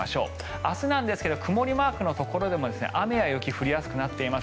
明日なんですが曇りマークのところでも雨や雪が降りやすくなっています